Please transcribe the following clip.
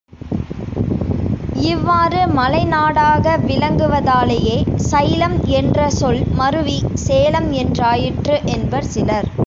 இவ்வாறு மலைநாடாக விளங்குவதாலேயே, சைலம் என்ற சொல் மருவி சேலம் என்றாயிற்று என்பர் சிலர்.